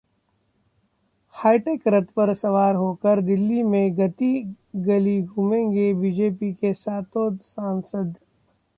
hi tech रथ पर सवार होकर दिल्ली में गली-गली घूमेंगे बीजेपी के सातों सांसद